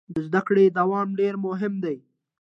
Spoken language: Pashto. د زده کړې دوام ډیر مهم دی.